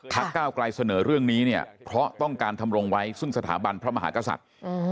ก้าวไกลเสนอเรื่องนี้เนี่ยเพราะต้องการทำรงไว้ซึ่งสถาบันพระมหากษัตริย์